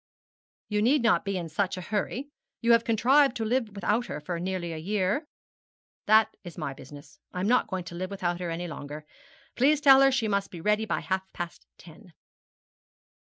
'You need not be in such a hurry. You have contrived to live without her for nearly a year.' 'That is my business. I am not going to live without her any longer. Please tell her she must be ready by half past ten.'